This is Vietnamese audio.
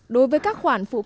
đối với các khoản phụ cấp